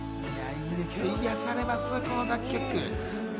いいですよ、癒やされます、この楽曲。